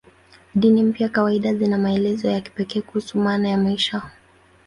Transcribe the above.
Dini mpya kawaida zina maelezo ya kipekee kuhusu maana ya maisha.